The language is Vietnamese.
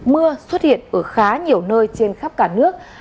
mưa xuất hiện ở khá nhiều nơi trên khắp cả nước